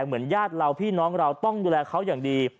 เหมือนญาติเราพี่น้องเราต้องดูแลเขาอย่างดี